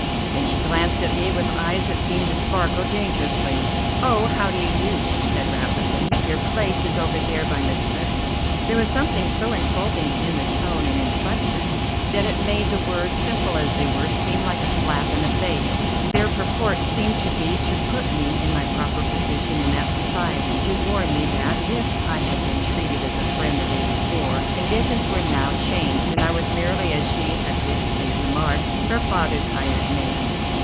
Then she glanced at me with eyes that seemed to sparkle dangerously. "Oh, how do you do?" she said rapidly. "Your place is over there by Miss Stretton." There was something so insulting in the tone and inflection that it made the words, simple as they were, seem like a slap in the face. Their purport seemed to be to put me in my proper position in that society, to warn me that, if I had been treated as a friend the day before, conditions were now changed, and I was merely, as she had previously remarked, her father's hired man.